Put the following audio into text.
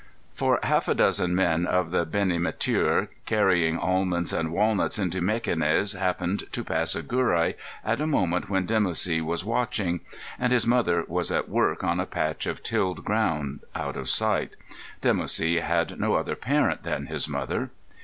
For half a dozen men of the Beni M'tir carrying almonds and walnuts into Mequinez happened to pass Agurai at a moment when Dimoussi was watching, and his mother was at work on a patch of tilled ground out of sight. Dimoussi had no other parent than his mother.